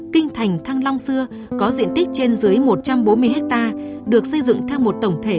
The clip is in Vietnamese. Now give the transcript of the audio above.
kinh thành thăng long xưa có diện tích trên dưới một trăm bốn mươi hectare được xây dựng theo một tổng thể